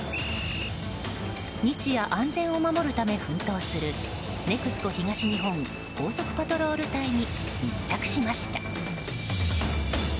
日夜、安全を守るため奮闘するＮＥＸＣＯ東日本高速パトロール隊に密着しました。